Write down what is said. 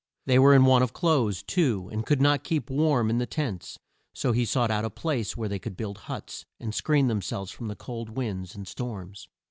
They were in want of clothes too, and could not keep warm in the tents, so he sought out a place where they could build huts and screen them selves from the cold winds and storms.